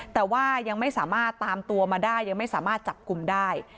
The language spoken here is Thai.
แต่ว่ายังไม่สามารถตามตัวมาได้ยังไม่สามารถจับกลุ่มได้